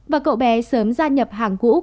và cậu bé sớm gia nhập hàng quốc